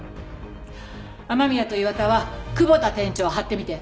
雨宮と岩田は久保田店長を張ってみて。